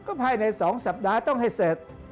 ภายใน๒สัปดาห์ต้องให้เสร็จ